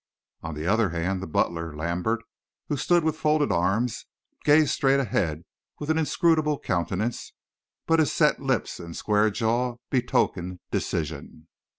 On the other hand the butler, Lambert, who stood with folded arms, gazed straight ahead with an inscrutable countenance, but his set lips and square jaw betokened decision.